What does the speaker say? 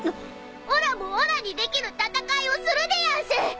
おらもおらにできる戦いをするでやんす！